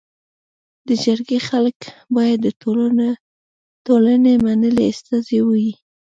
د جرګي خلک باید د ټولني منلي استازي وي.